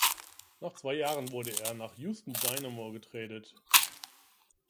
Nach zwei Jahren wurde er nach Houston Dynamo getradet.